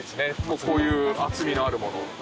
こういう厚みのあるもの。